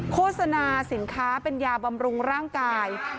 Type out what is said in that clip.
โฆษณาสินค้าเป็นยาบำรุงร่างกาย